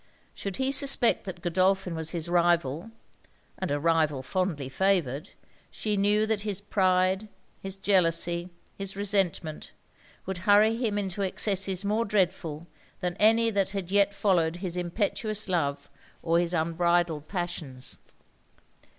Should he suspect that Godolphin was his rival, and a rival fondly favoured, she knew that his pride, his jealousy, his resentment, would hurry him into excesses more dreadful, than any that had yet followed his impetuous love or his unbridled passions.